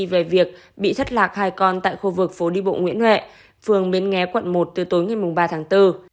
về việc bị thất lạc hai con tại khu vực phố đi bộ nguyễn huệ phường bến nghé quận một từ tối ngày ba tháng bốn